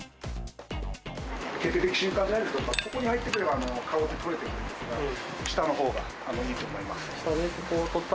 決定的瞬間じゃないですけど、ここに入ってくれば顔が撮れてるんですが、下のほうがいいと思います。